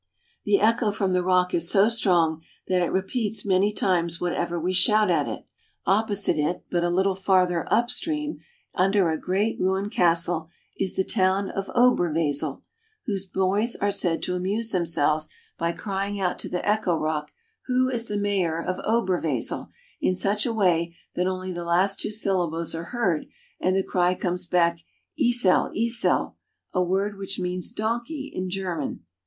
The echo from the rock is so strong that it repeats many times whatever we shout at it. Opposite it, but a little farther up stream, under a great ruined castle, is the town of Oberwesel (o'ber va/zel), whose boys are said to amuse themselves by crying out to the echo rock, " Who is the mayor of Oberwe sel," in such a way that only the last two syllables are heard, and the cry comes back, " Esel, Esel," a word which means donkey in German.